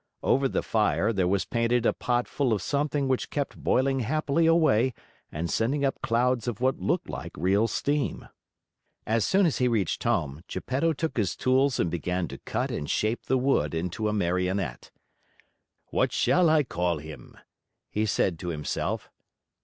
Over the fire, there was painted a pot full of something which kept boiling happily away and sending up clouds of what looked like real steam. As soon as he reached home, Geppetto took his tools and began to cut and shape the wood into a Marionette. "What shall I call him?" he said to himself.